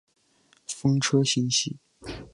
风车星系。